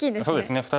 そうですね。